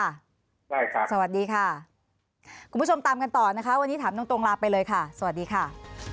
สวัสดีครับสวัสดีค่ะคุณผู้ชมตามกันต่อนะคะวันนี้ถามตรงตรงลาไปเลยค่ะสวัสดีค่ะ